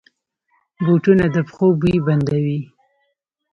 بوټونه د پښو بوی بندوي.